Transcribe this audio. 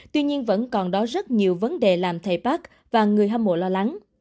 tuy nhiên vẫn còn đó rất nhiều vấn đề làm thầy park và người hâm mộ lo lắng